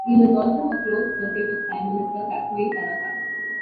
He was also a close associate of Prime Minister Kakuei Tanaka.